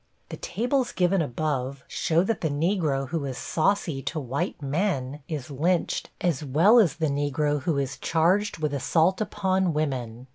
The tables given above show that the Negro who is saucy to white men is lynched as well as the Negro who is charged with assault upon women.